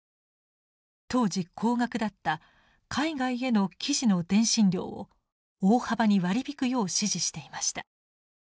当時高額だった海外への記事の電信料を大幅に割り引くよう指示していました。